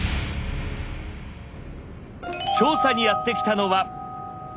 調査にやって来たのは。